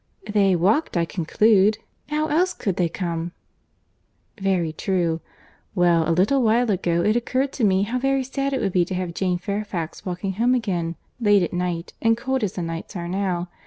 "They walked, I conclude. How else could they come?" "Very true.—Well, a little while ago it occurred to me how very sad it would be to have Jane Fairfax walking home again, late at night, and cold as the nights are now.